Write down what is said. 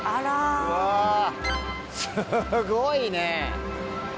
すごいね！